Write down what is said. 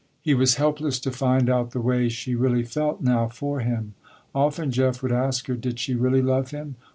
He was helpless to find out the way she really felt now for him. Often Jeff would ask her, did she really love him.